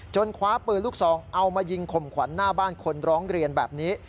คว้าปืนลูกซองเอามายิงข่มขวัญหน้าบ้านคนร้องเรียนแบบนี้